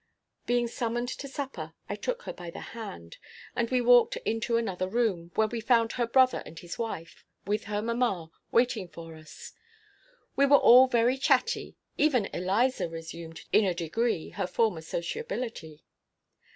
Being summoned to supper, I took her by the hand, and we walked into another room, where we found her brother and his wife, with her mamma, waiting for us. We were all very chatty; even Eliza resumed, in a degree, her former sociability.